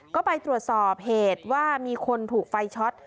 ก็ไปตรวจสอบเหตุว่ามีคนถูกไฟช็อต